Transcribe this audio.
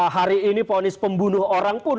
hari ini ponis pembunuh orang pun